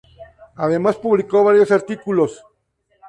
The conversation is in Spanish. Además publicó varios artículos.